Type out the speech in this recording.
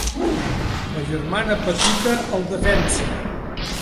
La germana petita el defensa.